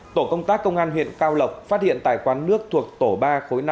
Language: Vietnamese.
tổ công tác công an huyện cao lộc phát hiện tài quan nước thuộc tổ ba khối năm